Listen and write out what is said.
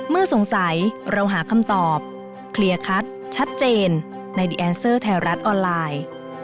โปรดติดตามตอนต่อไป